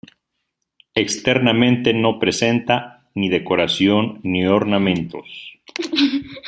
Externamente no presenta ni decoración ni ornamentos.